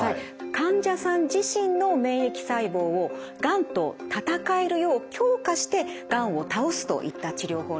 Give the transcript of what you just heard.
患者さん自身の免疫細胞をがんと戦えるよう強化してがんを倒すといった治療法になります。